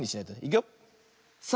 いくよ。